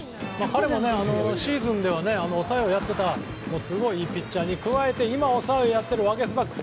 彼もシーズンでは抑えをやっていたすごくいいピッチャーに加えて今、抑えをやっているワゲスパック。